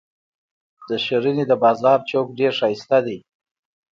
د شرنۍ د بازار چوک ډیر شایسته دي.